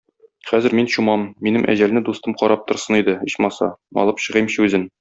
Хәзер мин чумам, минем әҗәлне дустым карап торсын иде, ичмаса, алып чыгыймчы үзен.